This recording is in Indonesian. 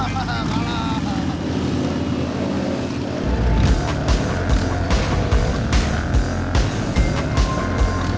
tidak ada yang bisa dipercaya